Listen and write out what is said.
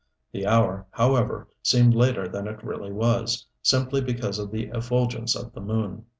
The hour, however, seemed later than it really was, simply because of the effulgence of the moon.